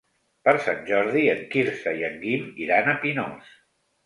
Per Sant Jordi en Quirze i en Guim iran a Pinós.